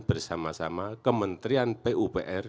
bersama sama kementerian pupr